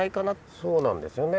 そうなんですよね。